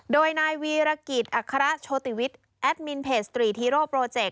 โดยนายวีรกิจอัคระโชติวิทย์แอดมินเพจสตรีฮีโร่โปรเจกต